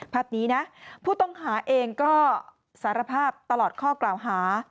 ภาพนี้นะผู้ต้องหาเองก็สารภาพตลอดข้อกล่าวหา